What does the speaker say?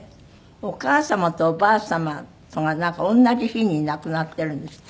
お母様とおばあ様とがなんか同じ日に亡くなってるんですって？